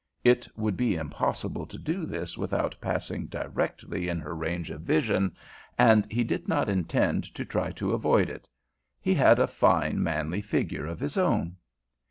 It would be impossible to do this without passing directly in her range of vision, and he did not intend to try to avoid it. He had a fine, manly figure of his own.